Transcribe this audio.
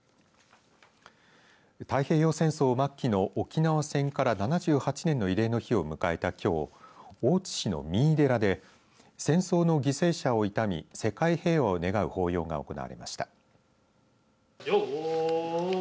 太平洋戦争末期の沖縄戦から７８年の慰霊の日を迎えたきょう大津市の三井寺で戦争の犠牲者を悼み世界平和を願う法要が行われました。